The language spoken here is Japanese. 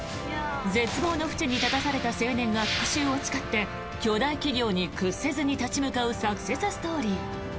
絶望の淵に立たされた青年が復しゅうを誓って巨大企業に屈せずに立ち向かうサクセスストーリー。